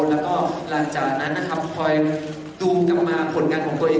แล้วก็หลังจากนั้นนะครับคอยดูกลับมาผลงานของตัวเอง